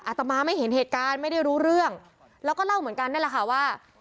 ตมาไม่เห็นเหตุการณ์ไม่ได้รู้เรื่องแล้วก็เล่าเหมือนกันนั่นแหละค่ะว่า